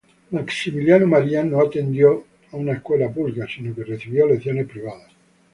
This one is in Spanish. Maximiliano María no atendió a una escuela pública, sino que recibió lecciones privadas.